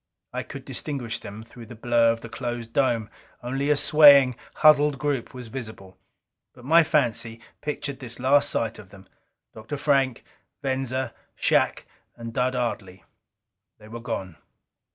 I could distinguish them through the blur of the closed dome only a swaying, huddled group was visible. But my fancy pictured this last sight of them, Dr. Frank, Venza, Shac and Dud Ardley. They were gone.